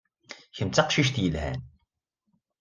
Kemm d taqcict yelhan.